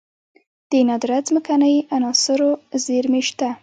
د نادره ځمکنۍ عناصرو زیرمې شته